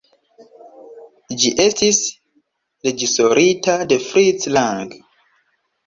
Ĝi estis reĝisorita de Fritz Lang.